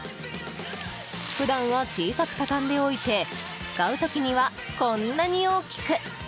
普段は小さく畳んでおいて使う時には、こんなに大きく！